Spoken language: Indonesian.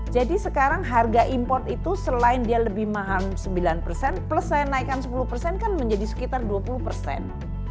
jadi sekarang harga import itu selain dia lebih mahal sembilan persen plus saya naikkan sepuluh persen kan menjadi sekitar dua puluh persen